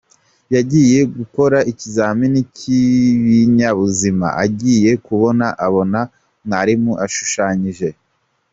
yagiye gukora ikizami cy'ibinyabuzima, agiye kubona abona mwarimu ashushanyije.